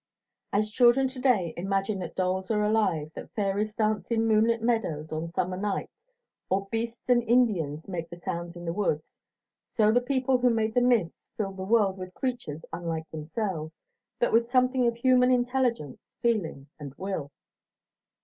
As children to day imagine that dolls are alive, that fairies dance in moonlit meadows on summer nights, or beasts or Indians make the sounds in the woods, so the people who made the myths filled the world with creatures unlike themselves, but with something of human intelligence, feeling and will.